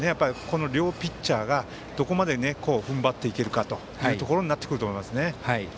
この両ピッチャーがどこまで踏ん張っていけるかというところになってくると思います。